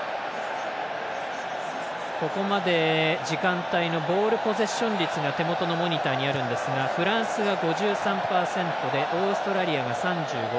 ここまで時間帯のボールポゼッション率が手元のモニターにあるんですがフランスが５３％でオーストラリアが３５％。